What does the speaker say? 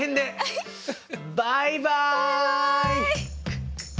バイバイ！